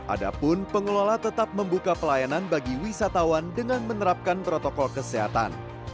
adapun pengelola tetap membuka pelayanan bagi wisatawan dengan menerapkan protokol kesehatan